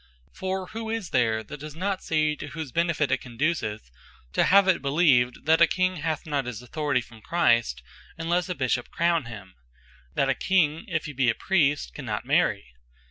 For who is there that does not see, to whose benefit it conduceth, to have it believed, that a King hath not his Authority from Christ, unlesse a Bishop crown him? That a King, if he be a Priest, cannot Marry?